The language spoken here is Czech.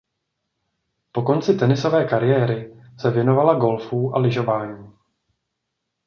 Po konci tenisové kariéry se věnovala golfu a lyžování.